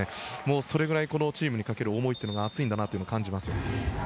そのくらいこのチームにかける思いというのが熱いんだなと感じます。